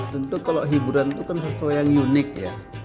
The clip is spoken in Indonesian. tentu kalau hiburan itu kan sesuatu yang unik ya